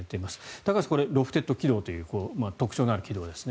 高橋さん、これロフテッド軌道という特徴のある軌道ですね。